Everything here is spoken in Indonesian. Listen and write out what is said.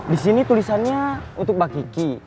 disini tulisannya untuk mbak kiki